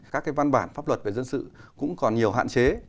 các văn bản pháp luật về dân sự cũng còn nhiều hạn chế